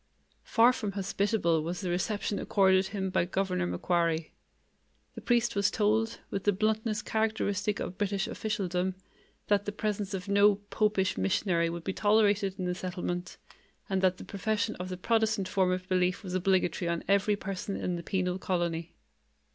Far from hospitable was the reception accorded him by Governor Macquarie. The priest was told, with the bluntness characteristic of British officialdom, that the presence of no "popish missionary" would be tolerated in the settlement, and that the profession of the Protestant form of belief was obligatory on every person in the penal colony.